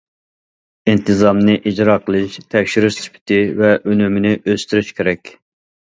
ئىنتىزامنى ئىجرا قىلىش، تەكشۈرۈش سۈپىتى ۋە ئۈنۈمىنى ئۆستۈرۈش كېرەك.